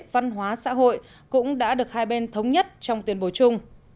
văn hóa xã hội cũng đã được hai bên thống nhất trong tuyên bố chung